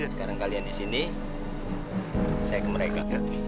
sekarang kalian di sini saya ke mereka